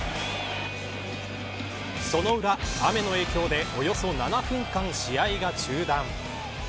その裏、雨の影響でおよそ７分間、試合が中断。